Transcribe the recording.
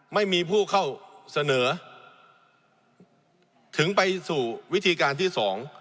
ไม่มีผู้เข้าเสนอถึงไปสู่วิธีการที่สอง